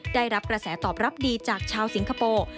ได้รับกระแสตอบรับดีจากชาวสิงคโปร์